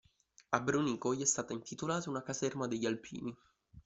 A Brunico gli è stata intitolata una caserma degli alpini.